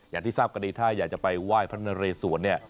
อย่างที่ทราบกันดีถ้าอยากจะไปไหว้พระนเรสวนเนี่ย